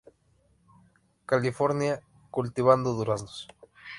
California, cultivando duraznos.